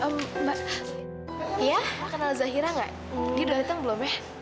mbak kenal zahira gak dia udah datang belum ya